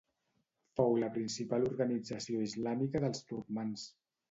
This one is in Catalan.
Fou la principal organització islamista dels turcmans.